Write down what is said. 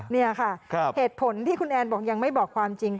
นี่ค่ะเหตุผลที่คุณแอนบอกยังไม่บอกความจริง